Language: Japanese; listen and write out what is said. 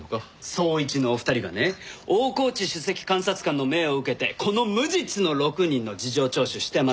捜一のお二人がね大河内首席監察官の命を受けてこの無実の６人の事情聴取してますよ。